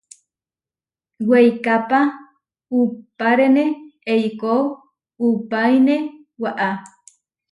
Weikápa uʼpárene eikó uʼpáine waʼá.